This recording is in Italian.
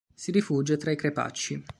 Si rifugia tra i crepacci.